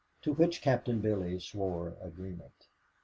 To which Captain Billy swore agreement.